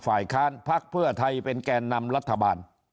ฝ่ายค้านภักดิ์เพื่อไทยเป็นแก่นำ